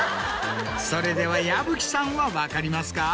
それでは矢吹さんは分かりますか？